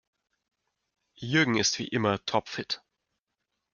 Jürgen ist wie immer topfit.